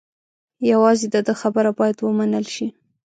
یوازې د ده خبره باید و منل شي.